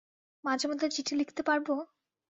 মাঝেমধ্যে চিঠি লিখতে পারব?